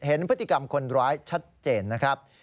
เห็นพฤติกรรมคนร้ายชัดเจนนะครับ